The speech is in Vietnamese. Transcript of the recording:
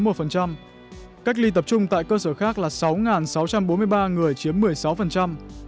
cách ly tập trung tại cơ sở khác là sáu sáu trăm bốn mươi ba người chiếm một